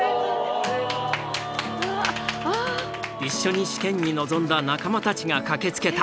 一緒に試験に臨んだ仲間たちが駆けつけた。